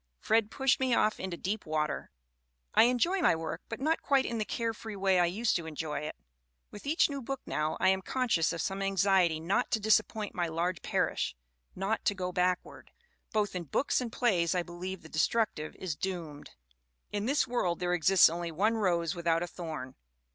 Fred pushed me off into deep water. "I enjoy my work, but not quite in the carefree way I used to enjoy it. With each new book now I am conscious of some anxiety not to disappoint my large parish ; not to go backward. Both in books and plays I believe the destructive is doomed. In this world there exists only one rose without a thorn.